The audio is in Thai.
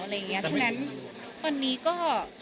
ฉะนั้นตอนนี้ก็